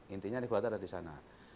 intinya regulator ada di sana